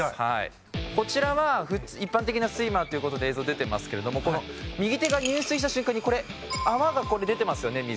「こちらは一般的なスイマーっていう事で映像出てますけれどもこの右手が入水した瞬間にこれ泡が出てますよね水」